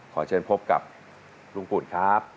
ขอเชิญพบกับลุงปุ่นครับ